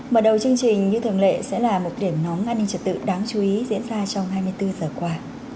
mở đầu chương trình như thường lệ sẽ là một điểm nóng an ninh trật tự đáng chú ý diễn ra trong hai mươi bốn giờ qua